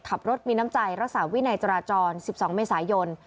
ขับรถมีน้ำใจรักษาวินัยจราจร๑๒เมษายน